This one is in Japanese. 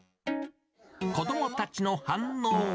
子どもたちの反応は？